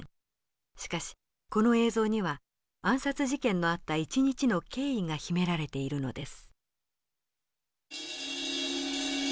しかしこの映像には暗殺事件のあった一日の経緯が秘められているのです。